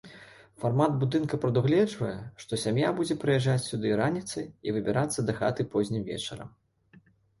Фармат будынка прадугледжвае, што сям'я будзе прыязджаць сюды раніцай і выбірацца дахаты познім вечарам.